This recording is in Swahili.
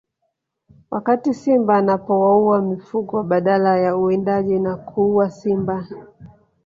Wakati simba anapowaua mifugo badala ya uwindaji na kuua simba